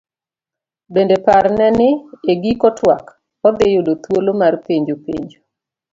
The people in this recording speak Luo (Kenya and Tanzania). Bende parne ni e giko twak, odhi yudo thuolo mar penjo penjo.